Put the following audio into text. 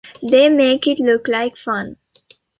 They make it look like fun.